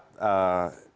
di kondisi globalnya sendiri